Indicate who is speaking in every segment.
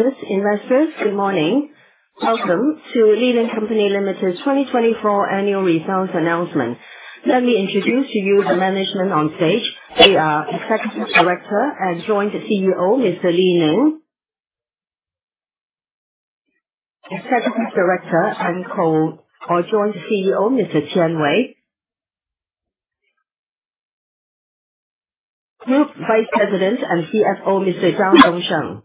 Speaker 1: Investors, good morning. Welcome to Li Ning Company Limited's 2024 annual results announcement. Let me introduce to you the management on stage. We are Executive Director and Joint CEO, Mr. Li Ning; Executive Director and Co or Joint CEO, Mr. Qian Wei; Group Vice President and CFO, Mr. Zhao Dong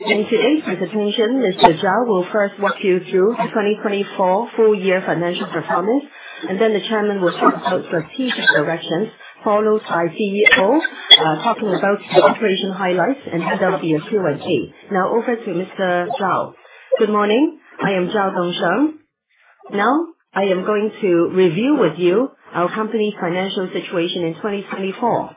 Speaker 1: Sheng. In today's presentation, Mr. Zhao will first walk you through the 2024 full-year financial performance, and then the chairman will talk about strategic directions, followed by CEO, talking about operation highlights and hand out the Q&A. Now, over to Mr. Zhao.
Speaker 2: Good morning. I am Zhao Dong Sheng. Now, I am going to review with you our company's financial situation in 2024.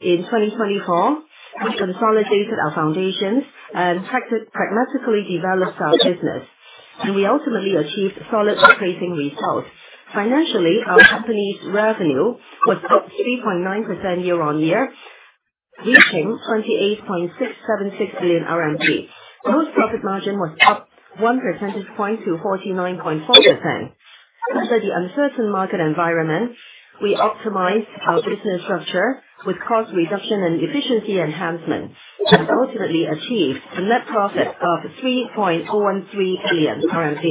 Speaker 2: In 2024, we consolidated our foundations and pragmatically developed our business, and we ultimately achieved solid increasing results. Financially, our company's revenue was 3.9% year-on-year, reaching 28.676 billion RMB. Gross profit margin was up one percentage point to 49.4%. Under the uncertain market environment, we optimized our business structure with cost reduction and efficiency enhancement, and ultimately achieved a net profit of 3.013 billion RMB,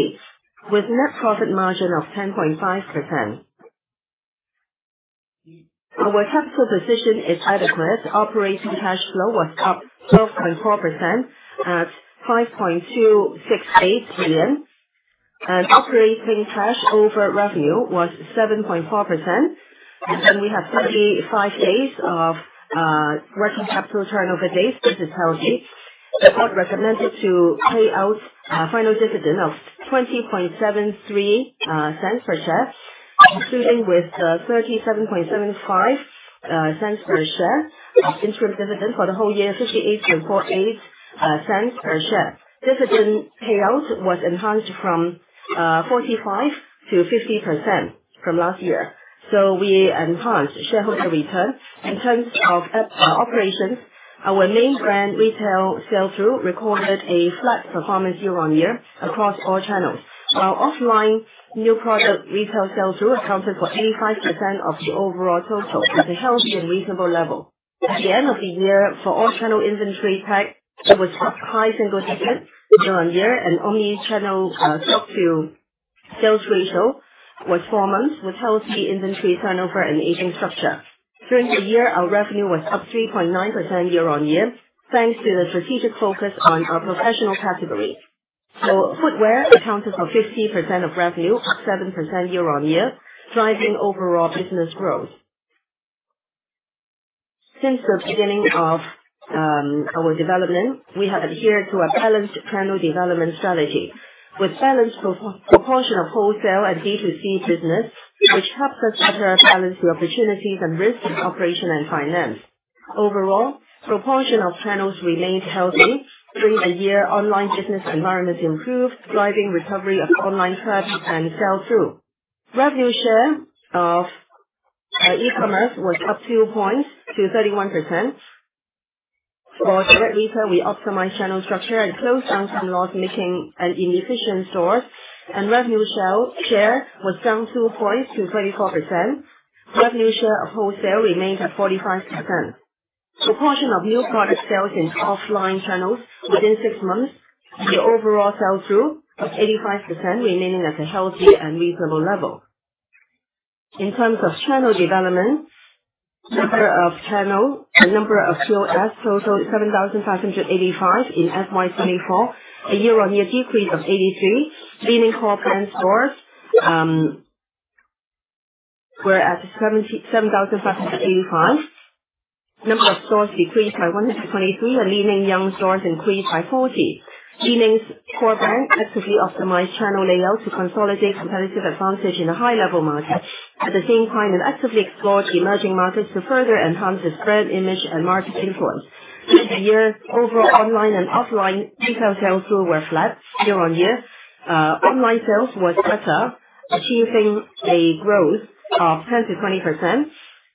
Speaker 2: with a net profit margin of 10.5%. Our capital position is adequate. Operating cash flow was up 12.4% at 5.268 billion, and operating cash over revenue was 7.4%. And then we have 35 days of working capital turnover dates. This is healthy. The board recommended to pay out a final dividend of 20.73 per share, [inaudible] with 37.75 per share of interim dividend for the whole year 58.48 per share. Dividend payout was enhanced from 45% to 50% from last year. So we enhanced shareholder returns. In terms of operations, our main brand retail sell-through recorded a flat performance year-on-year across all channels, while offline new product retail sell-through accounted for 85% of the overall total. It's a healthy and reasonable level. At the end of the year, for all-channel inventory at tag, it was up high single digits year-on-year, and omnichannel stock to sales ratio was four months, with healthy inventory turnover and aging structure. During the year, our revenue was up 3.9% year-on-year, thanks to the strategic focus on our professional category. So footwear accounted for 50% of revenue, 7% year-on-year, driving overall business growth. Since the beginning of our development, we have adhered to a balanced channel development strategy, with balanced proportion of wholesale and B2C business, which helps us better balance the opportunities and risks of operation and finance. Overall, proportion of channels remained healthy. During the year, online business environment improved, driving recovery of online trade and sell-through. Revenue share of e-commerce was up 2 points to 31%. For direct retail, we optimized channel structure and closed some loss-making and inefficient stores, and revenue share was down 2 points to 34%. Revenue share of wholesale remained at 45%. Proportion of new product sales in offline channels within six months, the overall sell-through of 85%, remaining at a healthy and reasonable level. In terms of channel development, number of channels and number of POS totaled 7,585 in FY 2024, a year-on-year decrease of 83. Li-Ning core brand stores were at 7,585. Number of stores decreased by 123, and Li-Ning Young stores increased by 40. Li-Ning core brand actively optimized channel layout to consolidate competitive advantage in a high-level market. At the same time, it actively explored emerging markets to further enhance its brand image and market influence. This year, overall online and offline retail sell-through were flat year-on-year. Online sales was better, achieving a growth of 10% to 20%.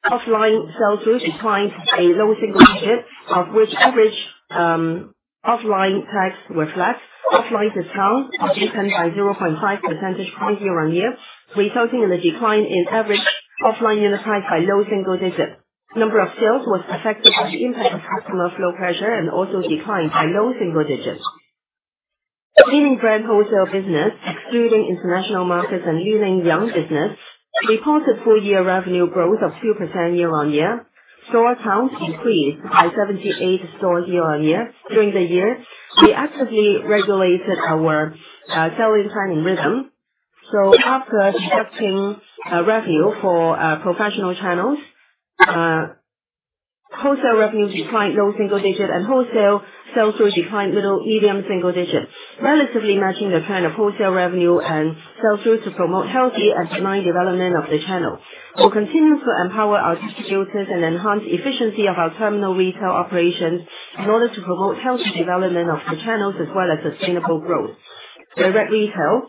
Speaker 2: Offline sell-through declined a low single digit, of which average offline tags were flat. Offline discounts are deepened by 0.5% year-on-year, resulting in a decline in average offline unit price by low single digit. Number of sales was affected by the impact of customer flow pressure and also declined by low single digit. Li Ning brand wholesale business, excluding international markets and Li Ning Young business, reported full-year revenue growth of 2% year-on-year. Store accounts increased by 78 stores year-on-year. During the year, we actively regulated our selling planning rhythm. After reducing revenue for professional channels, wholesale revenue declined low single digit, and wholesale sell-through declined middle-medium single digit, relatively matching the trend of wholesale revenue and sell-through to promote healthy and benign development of the channel. We'll continue to empower our distributors and enhance efficiency of our terminal retail operations in order to promote healthy development of the channels as well as sustainable growth. Direct retail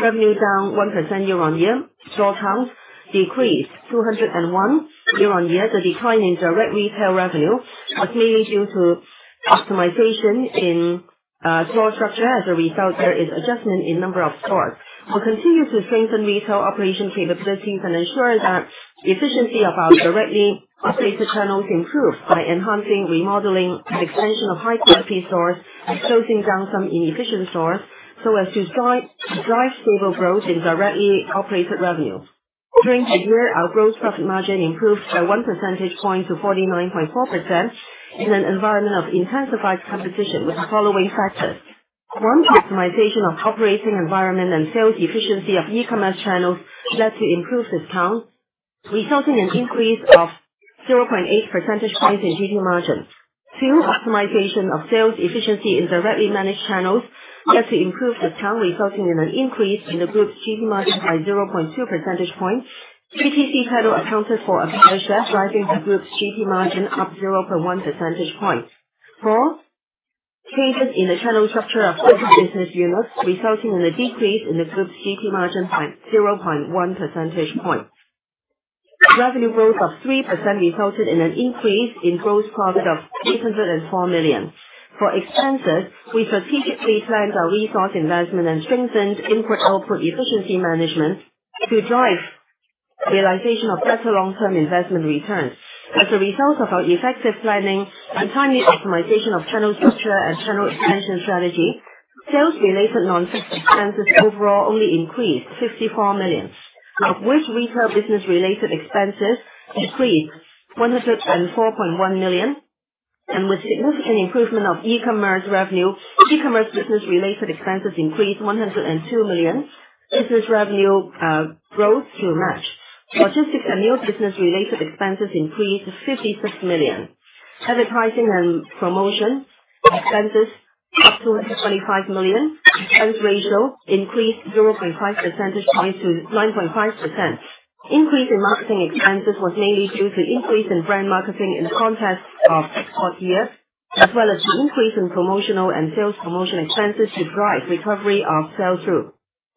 Speaker 2: revenue down 1% year-on-year. Store count decreased 201 year-on-year. The decline in direct retail revenue was mainly due to optimization in store structure. As a result, there is adjustment in number of stores. We'll continue to strengthen retail operation capabilities and ensure that efficiency of our directly operated channels improves by enhancing remodeling, extension of high-quality stores, and closing down some inefficient stores so as to drive stable growth in directly operated revenue. During the year, our gross profit margin improved by 1 percentage point to 49.4% in an environment of intensified competition with the following factors. One, optimization of operating environment and sales efficiency of e-commerce channels led to improved discounts, resulting in an increase of 0.8 percentage points in GP margin. Two, optimization of sales efficiency in directly managed channels led to improved discount, resulting in an increase in the group's GP margin by 0.2 percentage points. Three, higher product mix accounted for a share, driving the group's GP margin up 0.1 percentage points. Four, changes in the channel structure of local business units, resulting in a decrease in the group's GP margin by 0.1 percentage point. Revenue growth of 3% resulted in an increase in gross profit of 804 million. For expenses, we strategically planned our resource investment and strengthened input-output efficiency management to drive realization of better long-term investment returns. As a result of our effective planning and timely optimization of channel structure and channel expansion strategy, sales-related non-fixed expenses overall only increased 64 million, of which retail business-related expenses increased 104.1 million, and with significant improvement of e-commerce revenue, e-commerce business-related expenses increased 102 million. Business revenue growth to match. Logistics and new business-related expenses increased 56 million. Advertising and promotion expenses up to 25 million. Expense ratio increased 0.5 percentage points to 9.5%. Increase in marketing expenses was mainly due to increase in brand marketing in the context of export years, as well as the increase in promotional and sales promotion expenses to drive recovery of sell-through.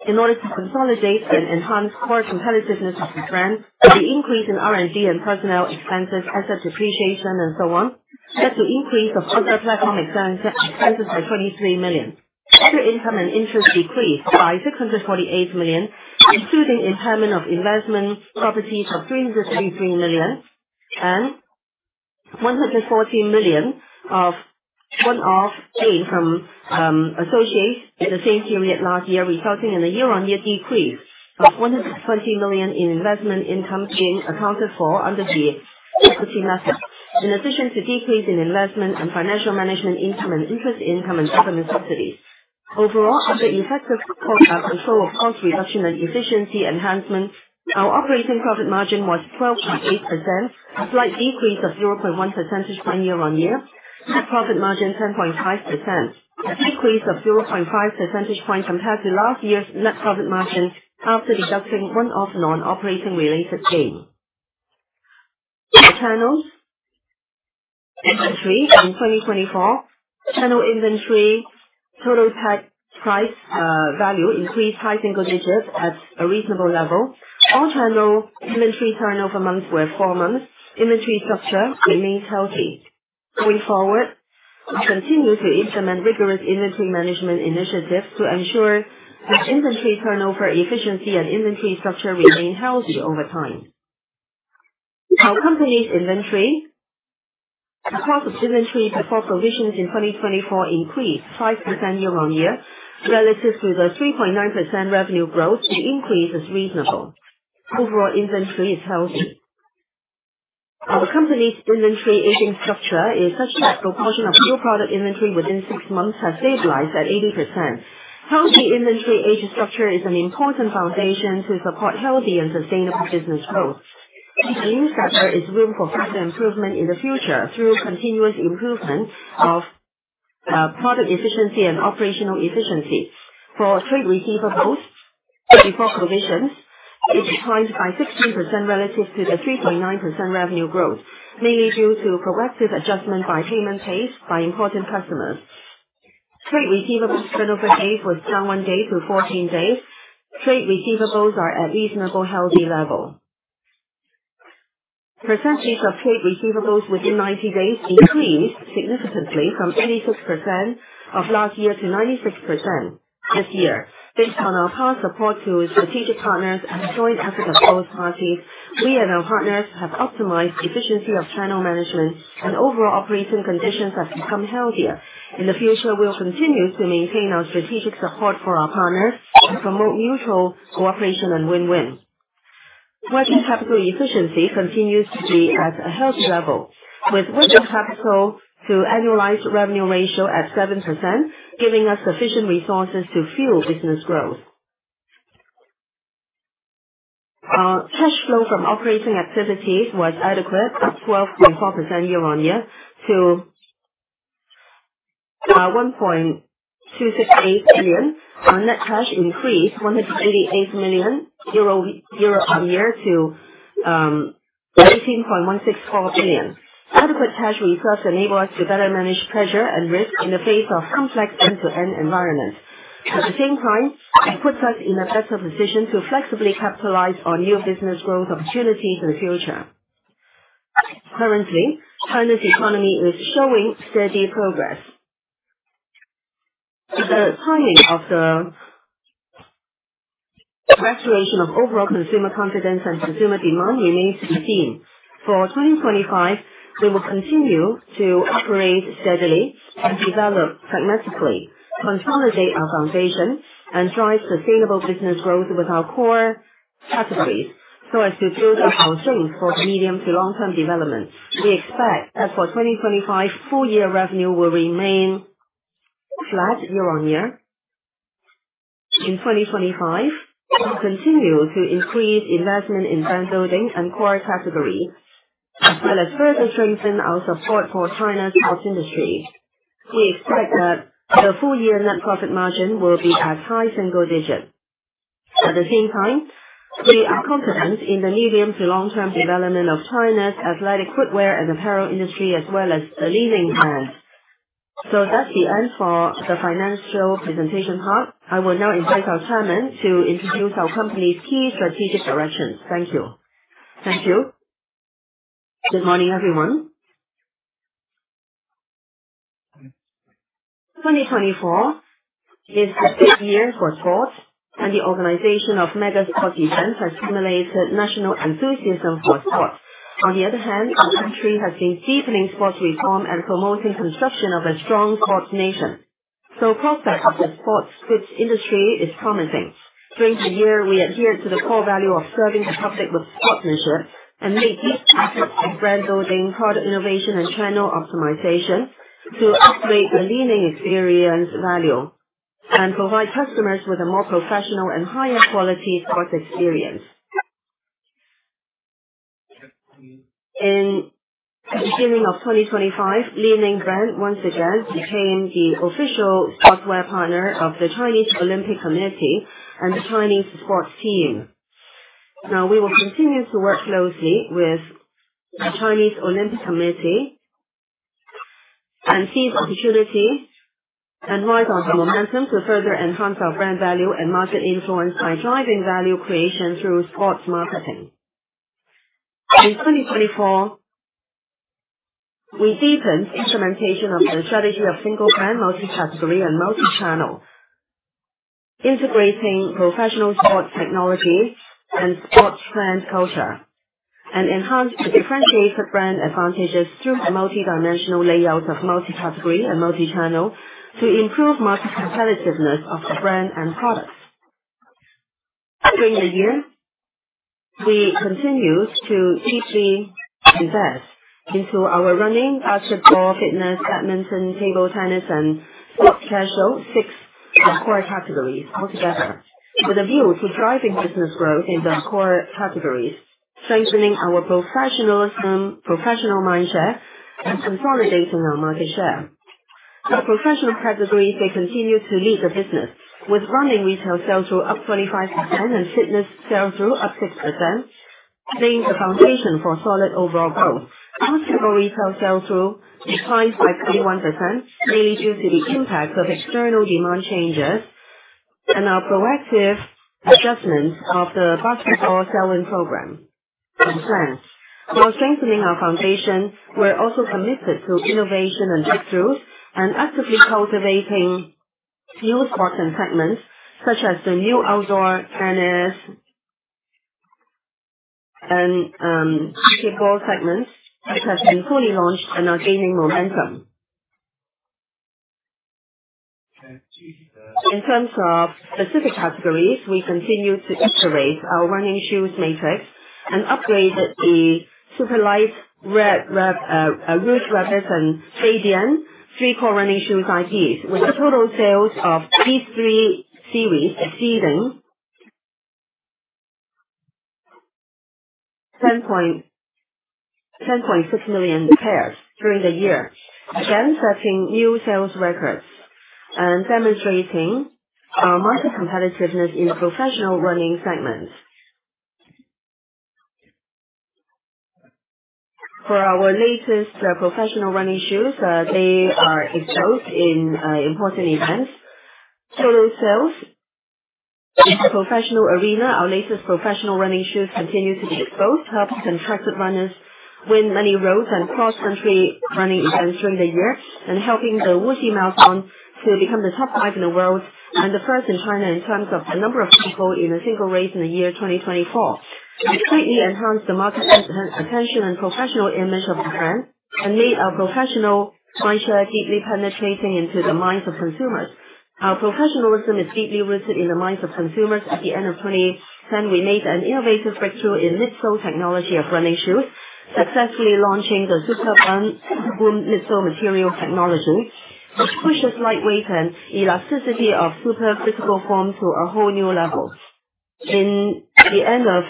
Speaker 2: In order to consolidate and enhance core competitiveness of the brand, the increase in R&D and personnel expenses, asset depreciation, and so on, led to increase of other platform expenses by 23 million. Other income and interest decreased by 648 million, including impairment of investment properties of 333 million and 114 million of one-off gain from associates in the same period last year, resulting in a year-on-year decrease of 120 million in investment income being accounted for under the equity method, in addition to decrease in investment and financial management income and interest income and other necessities. Overall, under effective control of cost reduction and efficiency enhancement, our operating profit margin was 12.8%, a slight decrease of 0.1 percentage point year-on-year, net profit margin 10.5%, a decrease of 0.5 percentage point compared to last year's net profit margin after deducting one-off non-operating related gain. Channel inventory in 2024, channel inventory total tag price value increased high single digits at a reasonable level. All channel inventory turnover months were four months. Inventory structure remains healthy. Going forward, we continue to implement rigorous inventory management initiatives to ensure that inventory turnover, efficiency, and inventory structure remain healthy over time. Our company's inventory, the cost of inventory before provisions in 2024, increased 5% year-on-year relative to the 3.9% revenue growth, the increase is reasonable. Overall, inventory is healthy. Our company's inventory aging structure is such that proportion of new product inventory within six months has stabilized at 80%. Healthy inventory aging structure is an important foundation to support healthy and sustainable business growth. This means that there is room for further improvement in the future through continuous improvement of product efficiency and operational efficiency. For trade receivables before provisions, it declined by 16% relative to the 3.9% revenue growth, mainly due to proactive adjustment in payment days by important customers. Trade receivables turnover days were down one day to 14 days. Trade receivables are at reasonable healthy level. Percentage of trade receivables within 90 days increased significantly from 86% of last year to 96% this year. Based on our past support to strategic partners and joint effort of both parties, we and our partners have optimized efficiency of channel management, and overall operating conditions have become healthier. In the future, we'll continue to maintain our strategic support for our partners and promote mutual cooperation and win-win. Working capital efficiency continues to be at a healthy level, with working capital to annualized revenue ratio at 7%, giving us sufficient resources to fuel business growth. Cash flow from operating activities was adequate at 12.4% year-on-year to 1.268 billion. Our net cash increased RMB 188 million year-on-year to 19.164 billion. Adequate cash reserves enable us to better manage pressure and risk in the face of complex end-to-end environments. At the same time, it puts us in a better position to flexibly capitalize on new business growth opportunities in the future. Currently, China's economy is showing steady progress. The timing of the restoration of overall consumer confidence and consumer demand remains to be seen. For 2025, we will continue to operate steadily and develop pragmatically, consolidate our foundation, and drive sustainable business growth with our core categories so as to build up our strength for the medium to long-term development. We expect that for 2025, full-year revenue will remain flat year-on-year. In 2025, we'll continue to increase investment in brand building and core categories as well as further strengthen our support for China's sports industry. We expect that the full-year net profit margin will be at high single digits. At the same time, we are confident in the medium to long-term development of China's athletic footwear and apparel industry, as well as the Li Ning brand. So that's the end for the financial presentation part. I will now invite our Chairman to introduce our company's key strategic directions. Thank you.
Speaker 3: Thank you. Good morning, everyone. 2024 is the big year for sports, and the organization of Mega Sports Events has stimulated national enthusiasm for sports. On the other hand, our country has been deepening sports reform and promoting construction of a strong sports nation. So prospects of the sports goods industry are promising. During the year, we adhere to the core value of serving the public with sportsmanship and make deep efforts in brand building, product innovation, and channel optimization to upgrade the Li Ning experience value and provide customers with a more professional and higher quality sports experience. In the beginning of 2025, Li Ning brand once again became the official sportswear partner of the Chinese Olympic Committee and the Chinese sports team. Now, we will continue to work closely with the Chinese Olympic Committee and seize opportunity and ride on the momentum to further enhance our brand value and market influence by driving value creation through sports marketing. In 2024, we deepened implementation of the strategy of single brand, multi-category, and multi-channel, integrating professional sports technology and sports brand culture, and enhanced the differentiated brand advantages through the multi-dimensional layout of multi-category and multi-channel to improve market competitiveness of the brand and products. During the year, we continued to deeply invest into our running, basketball, fitness, badminton, table tennis, and sports casual, six core categories altogether, with a view to driving business growth in the core categories, strengthening our professionalism, professional mindset, and consolidating our market share. Our professional categories continue to lead the business, with running retail sell-through up 25% and fitness sell-through up 6%, laying the foundation for solid overall growth. Basketball retail sell-through declined by 21%, mainly due to the impact of external demand changes and our proactive adjustments of the basketball selling program and plans. While strengthening our foundation, we're also committed to innovation and breakthroughs and actively cultivating new sports and segments, such as the new outdoor tennis and basketball segments, which have been fully launched and are gaining momentum. In terms of specific categories, we continue to iterate our running shoes matrix and upgraded the Super Light, Red Hare, Feidian three-core running shoes IPs, with a total sales of these three series exceeding 10.6 million pairs during the year, again setting new sales records and demonstrating our market competitiveness in professional running segments. For our latest professional running shoes, they are exposed in important events. Total sales in the professional arena, our latest professional running shoes continue to be exposed, helping contracted runners win many roads and cross-country running events during the year, and helping the Wuxi Marathon to become the top five in the world and the first in China in terms of the number of people in a single race in the year 2024. We greatly enhanced the market attention and professional image of the brand and made our professional mindshare deeply penetrating into the minds of consumers. Our professionalism is deeply rooted in the minds of consumers. At the end of 2010, we made an innovative breakthrough in mid-sole technology of running shoes, successfully launching the Super BOOM mid-sole material technology, which pushes lightweight and elasticity of supercritical foam to a whole new level. At the end of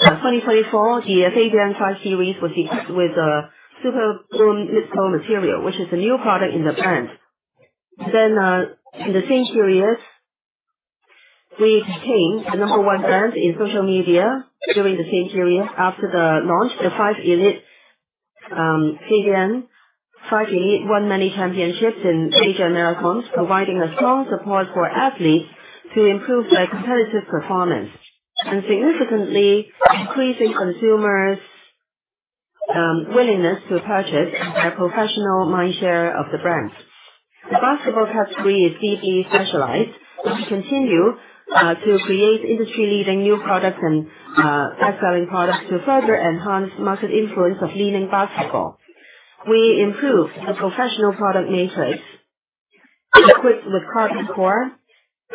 Speaker 3: 2024, the Red Hare 5 series was equipped with a Super BOOM mid-sole material, which is a new product in the brand. Then, in the same period, we became the number one brand in social media during the same period after the launch. The Red Hare 5 Elite won many championships in major marathons, providing strong support for athletes to improve their competitive performance and significantly increasing consumers' willingness to purchase and the professional mindshare of the brand. The basketball category is deeply specialized, which we continue to create industry-leading new products and best-selling products to further enhance market influence of Li-Ning basketball. We improved the professional product matrix, equipped with Carbon-Core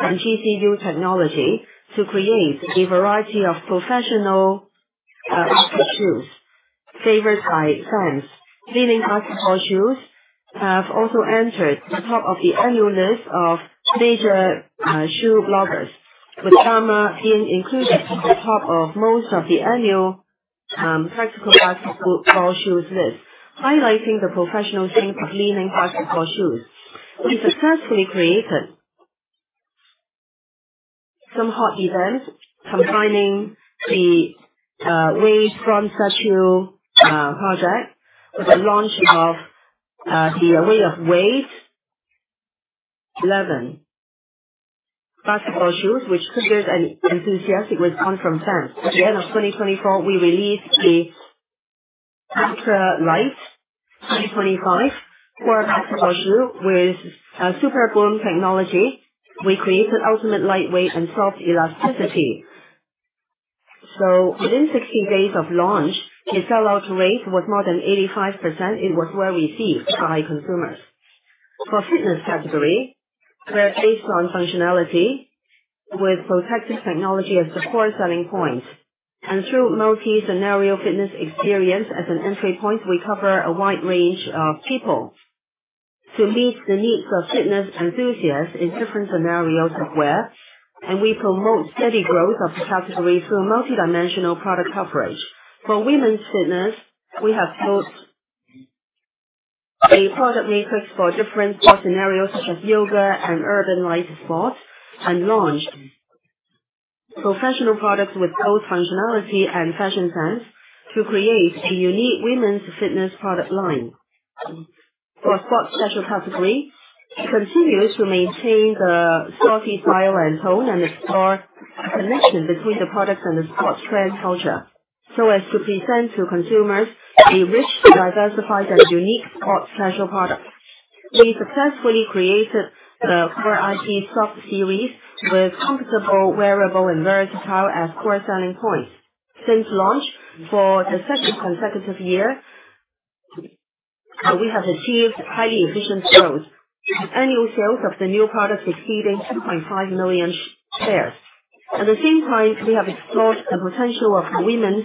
Speaker 3: and GCU technology, to create a variety of professional basketball shoes favored by fans. Li Ning basketball shoes have also entered the top of the annual list of major shoe bloggers, with Gamma being included at the top of most of the annual practical basketball shoes list, highlighting the professional strength of Li Ning basketball shoes. We successfully created some hot events combining the Wade Bronze Statue project with the launch of the Wade 11 basketball shoes, which triggered an enthusiastic response from fans. At the end of 2024, we released the Super Light 2025 core basketball shoe with super BOOM technology. We created ultimate lightweight and soft elasticity. So, within 60 days of launch, the sell-out rate was more than 85%. It was well received by consumers. For fitness category, we're based on functionality with protective technology as the core selling point. And through multi-scenario fitness experience as an entry point, we cover a wide range of people to meet the needs of fitness enthusiasts in different scenarios of wear, and we promote steady growth of the category through multi-dimensional product coverage. For women's fitness, we have built a product matrix for different sports scenarios, such as yoga and urban light sports, and launched professional products with both functionality and fashion sense to create a unique women's fitness product line. For sports special category, we continue to maintain the sporty style and tone and explore the connection between the products and the sports trend culture so as to present to consumers a rich, diversified, and unique sports casual product. We successfully created the core IP Soft series with comfortable, wearable, and versatile as core selling points. Since launch for the second consecutive year, we have achieved highly efficient growth with annual sales of the new products exceeding 2.5 million pairs. At the same time, we have explored the potential of the women's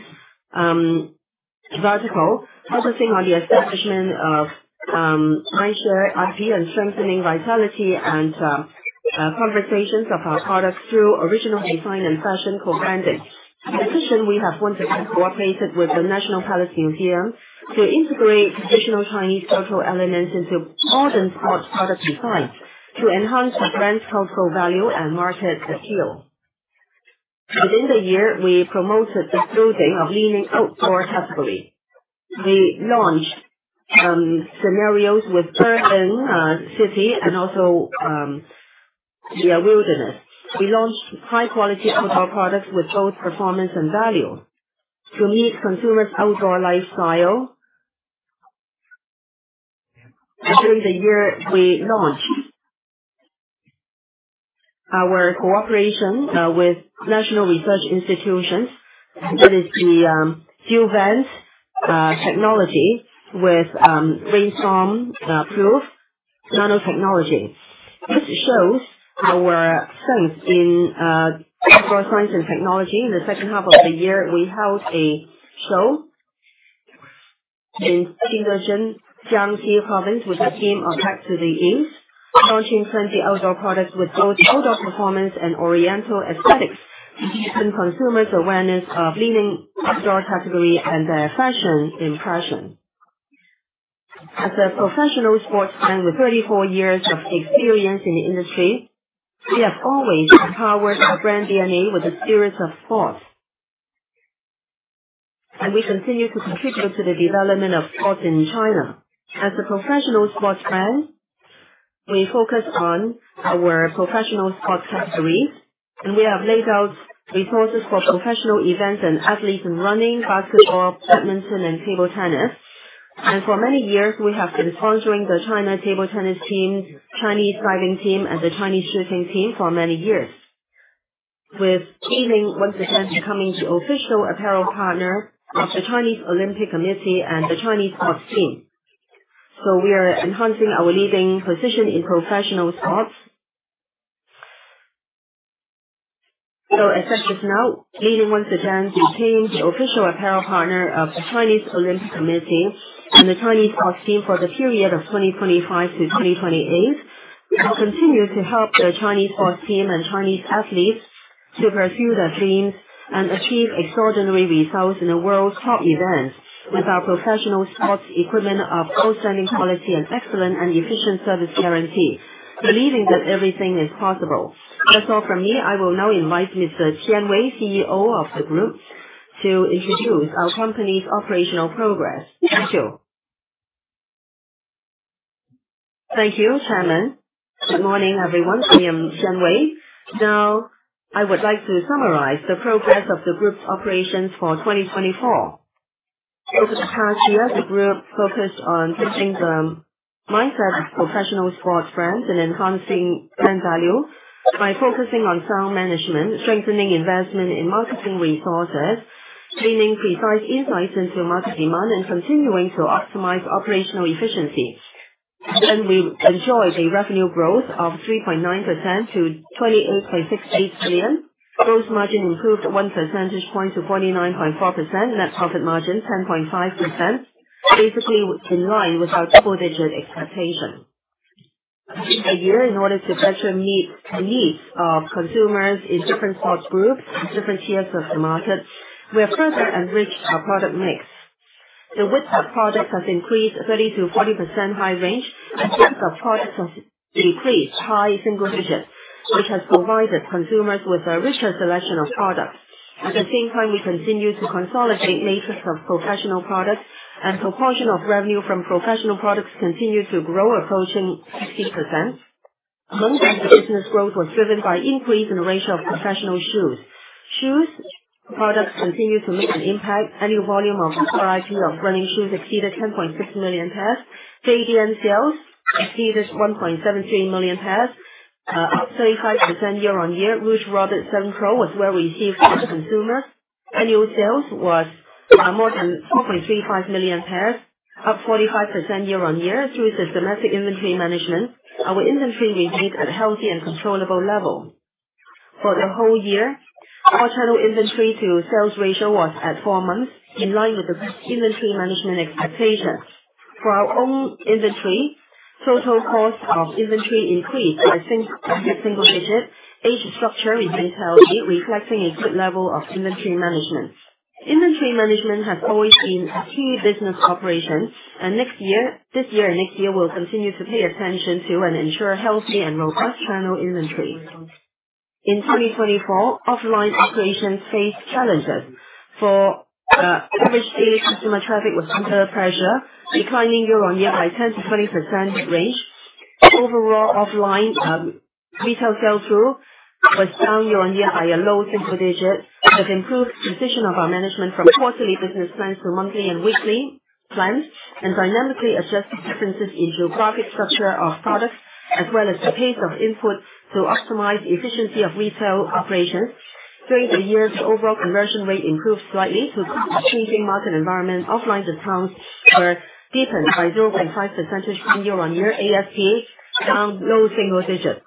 Speaker 3: vertical, focusing on the establishment of mindshare IP and strengthening vitality and conversations of our products through original design and fashion co-branding. In addition, we have once again cooperated with the National Palace Museum to integrate traditional Chinese cultural elements into modern sports product design to enhance the brand's cultural value and market appeal. Within the year, we promoted the building of Li Ning outdoor category. We launched scenarios with urban city and also the wilderness. We launched high-quality outdoor products with both performance and value to meet consumers' outdoor lifestyle. During the year, we launched our cooperation with national research institutions, that is, the eVent technology with rainstorm-proof nanotechnology. This shows our strength in outdoor science and technology. In the second half of the year, we held a show in Jingdezhen, Jiangxi Province, with the team of Back to the East, launching 20 outdoor products with both outdoor performance and oriental aesthetics to deepen consumers' awareness of Li-Ning outdoor category and their fashion impression. As a professional sports brand with 34 years of experience in the industry, we have always empowered our brand DNA with a spirit of sports, and we continue to contribute to the development of sports in China. As a professional sports brand, we focus on our professional sports categories, and we have laid out resources for professional events and athletes in running, basketball, badminton, and table tennis. For many years, we have been sponsoring the China table tennis team, Chinese diving team, and the Chinese shooting team for many years, with Li Ning once again becoming the official apparel partner of the Chinese Olympic Committee and the Chinese sports team, so we are enhancing our leading position in professional sports, so as such as now, Li Ning once again became the official apparel partner of the Chinese Olympic Committee and the Chinese sports team for the period of 2025 to 2028. We will continue to help the Chinese sports team and Chinese athletes to pursue their dreams and achieve extraordinary results in the world's top events with our professional sports equipment of outstanding quality and excellent and efficient service guarantee, believing that everything is possible. That's all from me. I will now invite Mr. Qian Wei, CEO of the group, to introduce our company's operational progress. Thank you.
Speaker 4: Thank you, Chairman. Good morning, everyone. I am Qian Wei. Now, I would like to summarize the progress of the group's operations for 2024. Over the past year, the group focused on building the mindset of professional sports brands and enhancing brand value by focusing on sound management, strengthening investment in marketing resources, gaining precise insights into market demand, and continuing to optimize operational efficiency. We enjoyed a revenue growth of 3.9% to 28.68 billion. Gross margin improved 1 percentage point to 49.4%. Net profit margin 10.5%, basically in line with our double-digit expectation. In the year, in order to better meet the needs of consumers in different sports groups, different tiers of the market, we have further enriched our product mix. The width of products has increased 30% to 40% high range, and depth of products has decreased high single digit, which has provided consumers with a richer selection of products. At the same time, we continue to consolidate matrix of professional products, and proportion of revenue from professional products continues to grow, approaching 60%. Among them, the business growth was driven by increase in the ratio of professional shoes. Shoes products continue to make an impact. Annual volume of core IP of running shoes exceeded 10.6 million pairs. Feidian sales exceeded 1.73 million pairs, up 35% year-on-year. Red Hare 7 Pro was well received by consumers. Annual sales was more than 4.35 million pairs, up 45% year-on-year. Through the domestic inventory management, our inventory remained at a healthy and controllable level. For the whole year, quarterly inventory to sales ratio was at four months, in line with the best inventory management expectation. For our own inventory, total cost of inventory increased by single digit. Age structure remains healthy, reflecting a good level of inventory management. Inventory management has always been a key business operation, and this year and next year will continue to pay attention to and ensure healthy and robust channel inventory. In 2024, offline operations faced challenges. For average daily customer traffic was under pressure, declining year-on-year by 10% to 20% range. Overall, offline retail sell-through was down year-on-year by a low single digit. We have improved position of our management from quarterly business plans to monthly and weekly plans and dynamically adjusted differences in geographic structure of products as well as the pace of input to optimize efficiency of retail operations. During the year, the overall conversion rate improved slightly [inaudible] market environment. Offline discounts were deepened by 0.5 percentage point year-on-year. ASP down low single digit.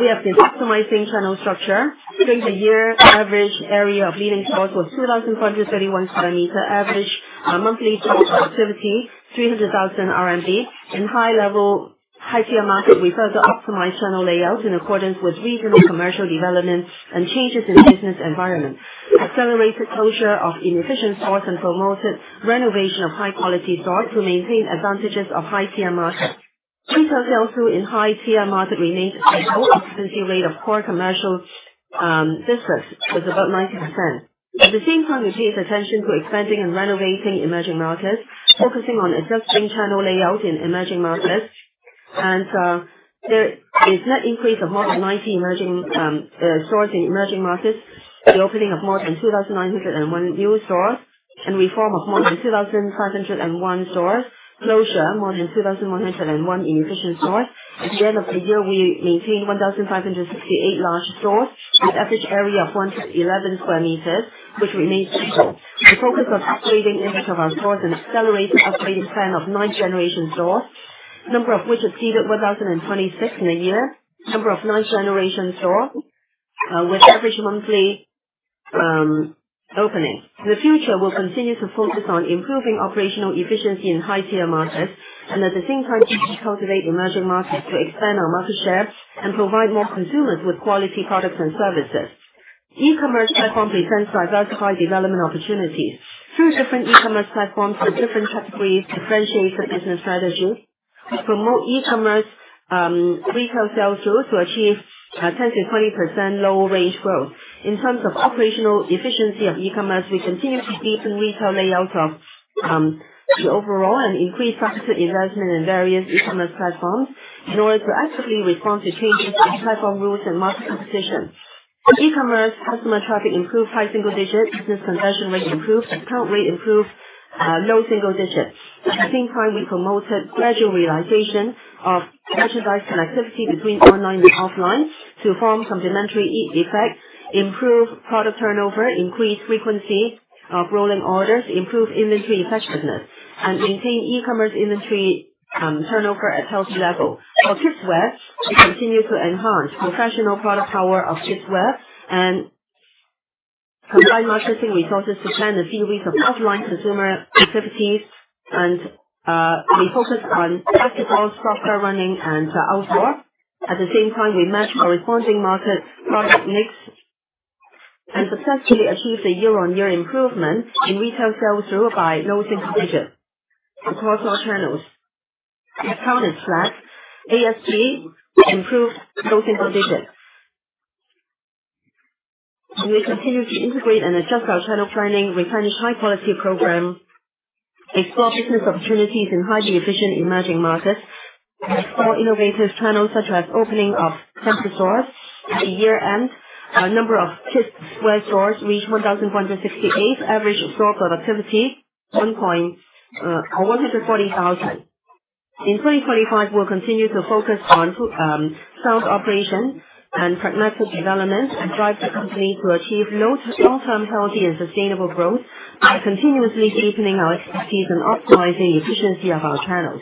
Speaker 4: We have been optimizing channel structure. During the year, average area of Li-Ning stores was 2,431 square meters, average monthly product activity 300,000 RMB. In high-level, high-tier market, we further optimized channel layout in accordance with regional commercial development and changes in business environment. Accelerated closure of inefficient stores and promoted renovation of high-quality stores to maintain advantages of high-tier market. Retail sales in high-tier market remains at a high occupancy rate of core commercial business with about 90%. At the same time, we paid attention to expanding and renovating emerging markets, focusing on adjusting channel layout in emerging markets. There is net increase of more than 90 emerging stores in emerging markets, the opening of more than 2,901 new stores, and reform of more than 2,501 stores, closure of more than 2,101 inefficient stores. At the end of the year, we maintained 1,568 large stores with average area of 111 square meters, which remains efficient. We focused on upgrading index of our stores and accelerated upgrading plan of ninth-generation stores, number of which exceeded 1,026 in a year, number of ninth-generation stores with average monthly opening. In the future, we'll continue to focus on improving operational efficiency in high-tier markets and at the same time, deeply cultivate emerging markets to expand our market share and provide more consumers with quality products and services. E-commerce platform presents diversified development opportunities. Through different e-commerce platforms with different categories, differentiate the business strategy. We promote e-commerce retail sell-through to achieve 10% to 20% low range growth. In terms of operational efficiency of e-commerce, we continue to deepen retail layout of the overall and increase market investment in various e-commerce platforms in order to actively respond to changes in platform rules and market competition. E-commerce customer traffic improved high single digit. Business conversion rate improved. Discount rate improved low single digit. At the same time, we promoted gradual realization of merchandise connectivity between online and offline to form complementary effect, improve product turnover, increase frequency of rolling orders, improve inventory effectiveness, and maintain e-commerce inventory turnover at healthy level. For Kidswears, we continue to enhance professional product power of Kidswears and combine marketing resources to plan a series of offline consumer activities, and we focused on basketball, soccer, running, and outdoor. At the same time, we match corresponding market product mix and successfully achieved a year-on-year improvement in retail sales by low single digit. Across all channels, discount is flat. ASP improved low single digit. We continue to integrate and adjust our channel planning, refine high-quality program, explore business opportunities in highly efficient emerging markets, and explore innovative channels such as opening of temp stores at the year-end. A number of Kidswear stores reached 1,468 average store productivity 140,000. In 2025, we'll continue to focus on sound operation and pragmatic development and drive the company to achieve long-term healthy and sustainable growth by continuously deepening our expertise and optimizing efficiency of our channels.